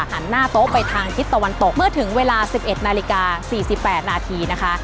หันหน้าโต๊ะไปทางทิศตะวันตกเมื่อถึงเวลา๑๑นาฬิกา๔๘นาทีนะคะ